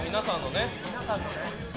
皆さんのね。